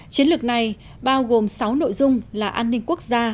chiến lược này bao gồm sáu nội dung là an ninh quốc gia